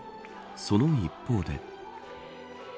その一方で。